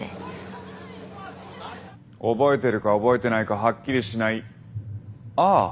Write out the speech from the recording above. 覚えてるか覚えてないかはっきりしない「ああ」。